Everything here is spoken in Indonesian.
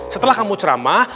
setelah kamu ceramah